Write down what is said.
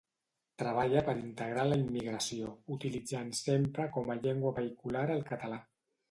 Treballa per integrar la immigració, utilitzant sempre com a llengua vehicular el català.